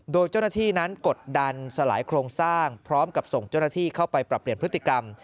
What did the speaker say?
โดยเจ้าหน้าที่นั้นกดดันสลายโครงสร้างพร้อมกับส่งเจ้าหน้าที่เข้าไปปรับเปลี่ยนพฤติกรรม